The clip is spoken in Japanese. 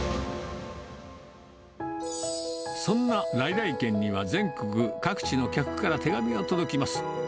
そんな來々軒には全国各地の客から手紙が届きます。